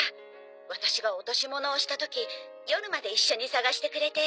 ワタシが落とし物をした時夜まで一緒に捜してくれて。